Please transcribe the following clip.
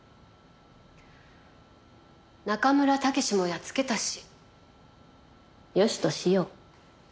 仲村毅もやっつけたしよしとしよう。